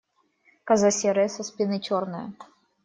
Коза серая, со спины черная.